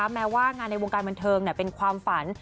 แม้ว่างานในวงการบันเทิงเป็นความฝัน